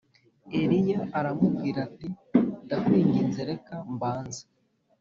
Eliya aramubwira ati Ndakwinginze reka mbanze